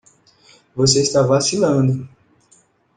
Você está vacilando.